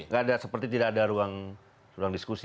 gak ada seperti tidak ada ruang diskusi